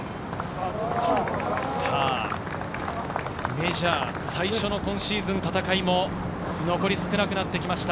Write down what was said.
メジャー最初の今シーズンの戦いも残り少なくなってきました。